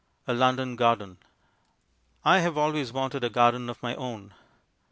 A London Garden I have always wanted a garden of my own.